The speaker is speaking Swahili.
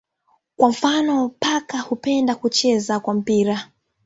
Kwa mfano paka hupenda kucheza kwa mpira.